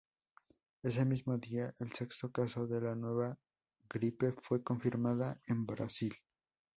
Ese mismo día, el sexto caso de la nueva gripe fue confirmada en Brasil.